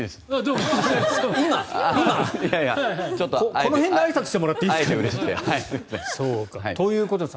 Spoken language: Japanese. この辺であいさつしてもらっていいですか？ということです。